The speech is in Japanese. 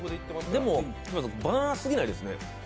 でも、バナナすぎないですね。